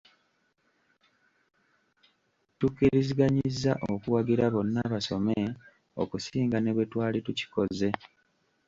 Tukkiriziganyizza okuwagira `Bonna Basome' okusinga ne bwe twali tukikoze!